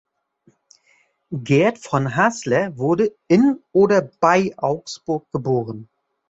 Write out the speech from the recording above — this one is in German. Gerd von Haßler wurde in oder bei Augsburg geboren.